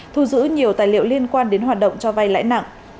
thu giữ nhiều tài liệu liên quan đến hoạt động cho vay lãi nặng